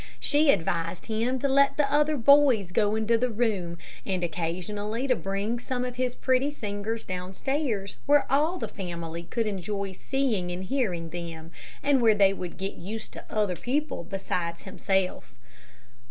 She advised him to let the other boys go into the room, and occasionally to bring some of his pretty singers downstairs, where all the family could enjoy seeing and hearing them, and where they would get used to other people besides himself.